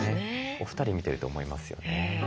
お二人見てると思いますよね。